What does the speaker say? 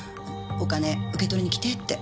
お金受け取りに来てって。